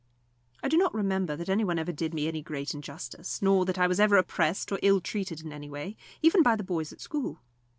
I do not remember that any one ever did me any great injustice, nor that I was ever oppressed or ill treated in any way, even by the boys at school.